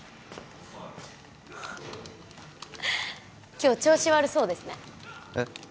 今日調子悪そうですねえっ？